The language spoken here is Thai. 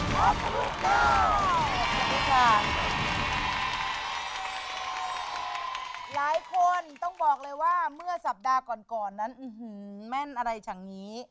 หลายคนต้องบอกเลยว่าเมื่อสัปดาห์ก่อนนั้นแม่นอะไรฉันนี้